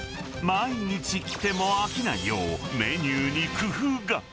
毎日来ても飽きないよう、メニューに工夫が。